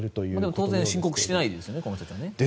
当然申告してないですよね。